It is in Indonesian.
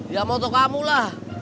ya motor kamu lah